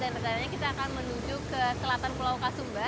dan rekananya kita akan menuju ke selatan pulau kasumba